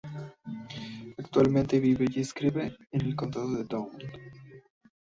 Actualmente vive y escribe en el condado de Down.